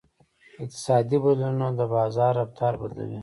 اقتصادي بدلونونه د بازار رفتار بدلوي.